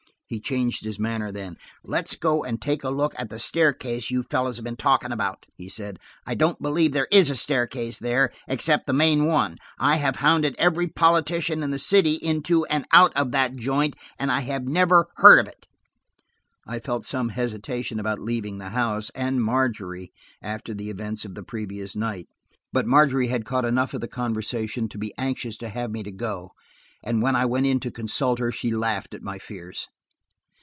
He changed his manner then. "Let's go and take a look at the staircase you fellows have been talking about," he said. "I don't believe there is a staircase there, except the main one. I have hounded every politician in the city into or out of that joint, and I have never heard of it." I felt some hesitation about leaving the house–and Margery–after the events of the previous night. But Margery had caught enough of the conversation to be anxious to have me to go, and when I went in to consult her she laughed at my fears.